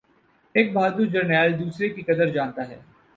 ایک بہادر جرنیل دوسرے کی قدر جانتا ہے